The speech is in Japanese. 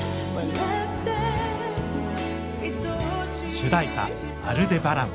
主題歌「アルデバラン」。